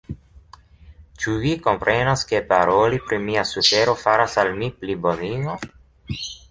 Ĉu vi komprenas, ke paroli pri mia sufero faras al mi plibonigon?